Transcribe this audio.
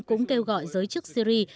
cũng kêu gọi giới chức syria